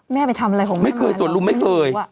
แม่ไปทำอะไรของแม่มันหรอไม่เคยส่วนลุงไม่เคย